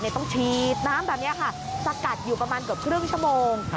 ต้องฉีดน้ำแบบนี้ค่ะสกัดอยู่ประมาณเกือบครึ่งชั่วโมง